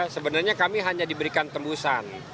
sebenarnya kami hanya diberikan tembusan